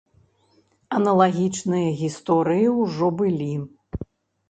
Аналагічныя гісторыі ўжо былі.